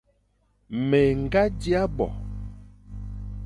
Mé ñga dia bo,